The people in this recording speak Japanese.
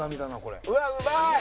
うわっうまい。